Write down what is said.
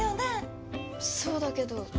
そうだけど。